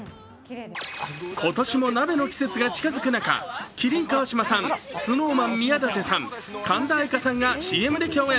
今年も鍋の季節が近づく中、麒麟川島さん、ＳｎｏｗＭａｎ、宮舘さん、神田愛花さんがＣＭで共演。